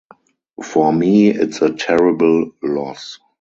For me, it's a terrible loss.